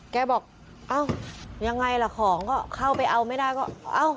แกบอกยังไงล่ะของก็เข้าไปเอาไม่ได้